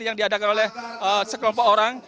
yang diadakan oleh sekelompok orang